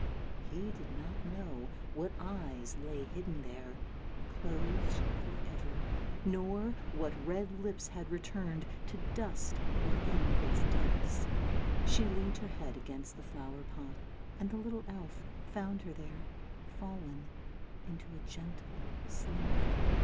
He did not know what eyes lay hidden there, closed for ever, nor what red lips had returned to dust within its depths. She leant her head against the flower pot, and the little elf found her there, fallen into a gentle slumber.